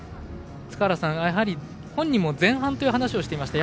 塚原さん、本人も前半という話をしていました。